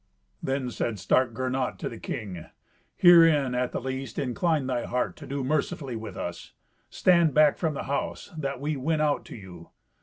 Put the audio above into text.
Then said stark Gernot to the king, "Herein, at the least, incline thy heart to do mercifully with us. Stand back from the house, that we win out to you.